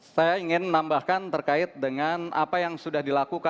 saya ingin menambahkan terkait dengan apa yang sudah dilakukan